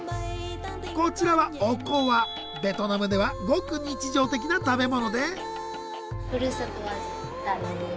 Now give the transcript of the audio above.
こちらはベトナムではごく日常的な食べ物で。